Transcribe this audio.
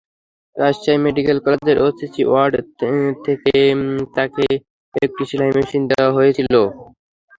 Rajshahi medical কলেজের OCC ward থেকে তাঁকে একটি সেলাই মেশিন দেওয়া হয়েছিল।